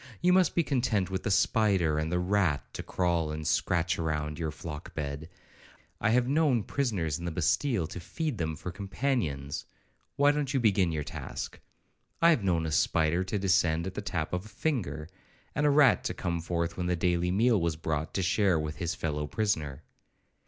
You must be content with the spider and the rat, to crawl and scratch round your flock bed! I have known prisoners in the Bastile to feed them for companions,—why don't you begin your task? I have known a spider to descend at the tap of a finger, and a rat to come forth when the daily meal was brought, to share it with his fellow prisoner!